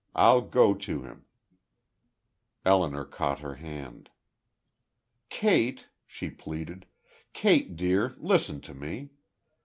I'll go to him." Elinor caught her hand. "Kate!" she pleaded. "Kate, dear, listen to me!